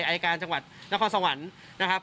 อายการจังหวัดนครสวรรค์นะครับ